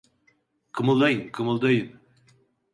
Kımıldayın, kımıldayın!